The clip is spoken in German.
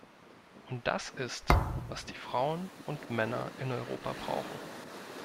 Und das ist, was die Frauen und Männer in Europa brauchen.